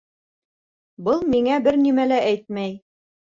Был миңә бер нимә лә әйтмәй